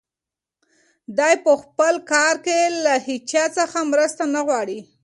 دی په خپل کار کې له هیچا څخه مرسته نه غواړي.